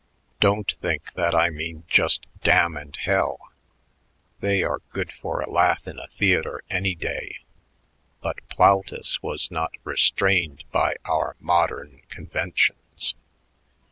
Don't think that I mean just 'damn' and 'hell.' They are good for a laugh in a theater any day, but Plautus was not restrained by our modern conventions.